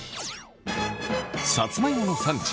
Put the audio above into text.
さつまいもの産地